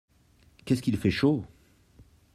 Qu'est-ce qu'il fait chaud !